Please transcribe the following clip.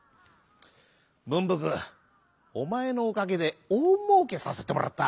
「ぶんぶくおまえのおかげでおおもうけさせてもらった。